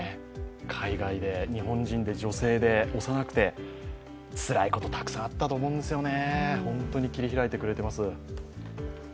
海外で日本人で女性で、幼くて、つらいこと、たくさんあったと思うんですよね。